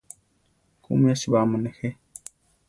¿Kúmi asibáma nejé?